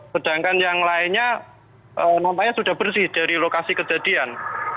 sedangkan yang lainnya nampaknya sudah bersih dari lokasi kejadian